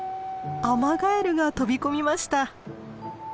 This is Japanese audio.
アマガエルが飛び込みました。